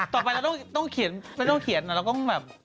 ต่อไปเราต้องเขียนไม่ต้องเขียนเราต้องแบบ